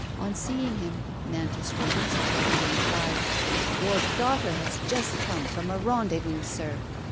On seeing him, Nantas re leased Flavie and cried ; "Your daughter has just come from a rendezvous, sir!